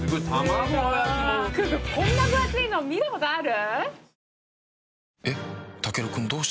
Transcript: こんな分厚いの見たことある？